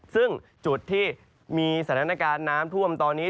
ซึ่งจุดที่มีสถานการณ์น้ำท่วมตอนนี้